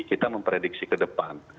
kita memprediksi ke depan